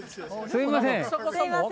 すいません。